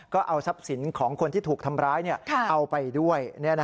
ก็เอาทรัพย์สินของคนที่ถูกทำร้ายเอาไปด้วย